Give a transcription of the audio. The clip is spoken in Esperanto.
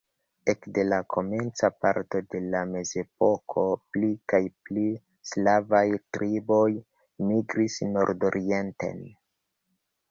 Ekde la komenca parto de la mezepoko pli kaj pli slavaj triboj migris nordorienten.